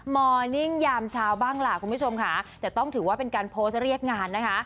มอร์นิ่งยามเช้าบ้างล่ะคุณผู้ชมค่ะแต่ต้องถือว่าเป็นการโพสต์เรียกงานนะคะ